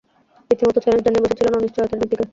রীতিমতো চ্যালেঞ্জ জানিয়ে বসেছিলেন অনিশ্চয়তার নীতিকে।